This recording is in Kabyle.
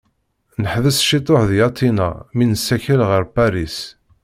Neḥbes cituḥ deg Atina mi nessakel ɣer Paris.